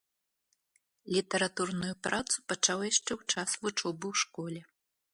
Літаратурную працу пачаў яшчэ ў час вучобы ў школе.